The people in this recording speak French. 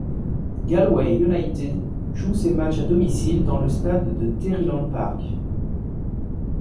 Galway United joue ses matchs à domicile dans le stade de Terryland Park.